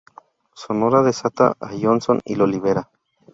Sonora desata a Johnson y lo libera.